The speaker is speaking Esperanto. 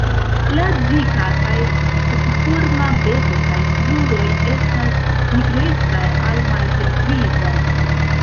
La dika kaj hokoforma beko kaj kruroj estas nigrecaj al malhelgrizaj.